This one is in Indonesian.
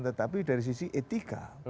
tetapi dari sisi etika